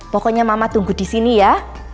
pokoknya mama tunggu disini ya